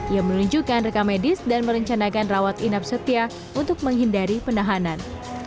ia menunjukkan rekamedis dan merencanakan rawat inap setia untuk menghindari penahanan